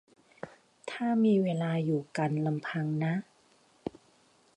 ถ้ามีเวลาอยู่กันลำพังนะ